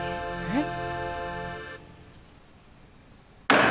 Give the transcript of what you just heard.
えっ？